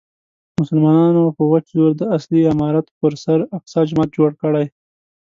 مسلمانانو په وچ زور د اصلي عمارت پر سر اقصی جومات جوړ کړی.